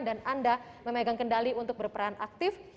dan anda memegang kendali untuk berperan aktif